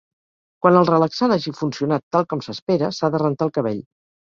Quan el relaxant hagi funcionat tal com s'espera, s'ha de rentar el cabell.